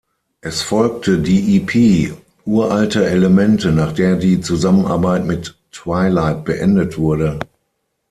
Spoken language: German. Es folgte die Ep "Uraltes Elemente", nach der die Zusammenarbeit mit Twilight beendet wurde.